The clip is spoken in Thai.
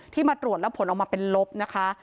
มาตรวจแล้วผลออกมาเป็นลบนะคะ